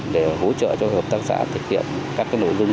để hỗ trợ cho hợp tác xã thực hiện các nội dung